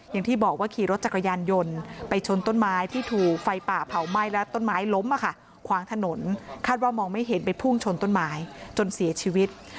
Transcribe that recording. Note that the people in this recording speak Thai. อย่างที่บอกว่าขี่รถจักรยานยนต์ไปชนต้นไม้ที่ถูกไฟป่าเผาไหม้และต้นไม้ล้มขวางถนนคาดว่ามองไม่เห็นไปพุ่งชนต้นไม้จนเสียชีวิต